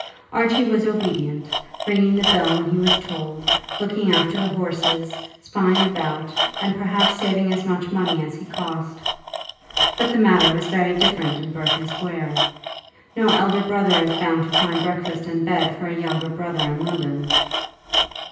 Archie was obedient, ringing the bell when he was told, looking after the horses, spying about, and perhaps saving as much money as he cost. But the matter was very different in Berkeley Square. No elder brother is bound to find breakfast and bed for a younger brother in London.